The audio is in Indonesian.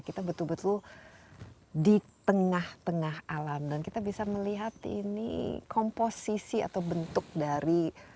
kita betul betul di tengah tengah alam dan kita bisa melihat ini komposisi atau bentuk dari